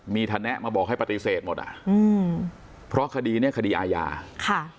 มีทะแนะมาบอกให้ปฏิเสธหมดอ่ะอืมเพราะคดีเนี้ยคดีอาญาค่ะ